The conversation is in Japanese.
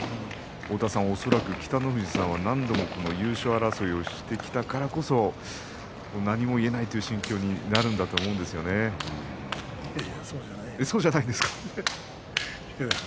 恐らく北の富士さんは何度も優勝争いをしてきたからこそ何も言えないという心境にいやいやそうじゃないよ。